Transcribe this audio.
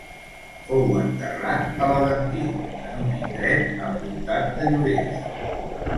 Fou enterrat a l'Aventí en un indret envoltat de llorers.